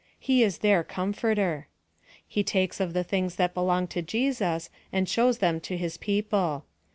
He is their Comforter. He takes of the things that belong to Jesus and shows them to his people.